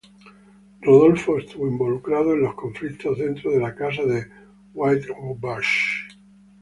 Rodolfo estuvo involucrado en los conflictos dentro de la Casa de Wittelsbach.